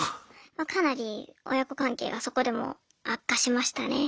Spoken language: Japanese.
かなり親子関係がそこでも悪化しましたね。